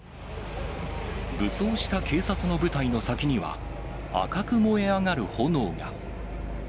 武装した警察の部隊の先には、赤く燃え上がる炎が。